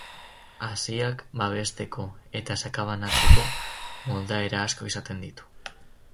Haziak babesteko eta sakabanatzeko moldaera asko izaten ditu.